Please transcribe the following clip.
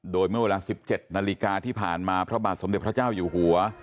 โดยเมื่อเวลา๑๗นาฬิกาที่ผ่านมาพระบาทสมเด็จพระเจ้าอยู่หัว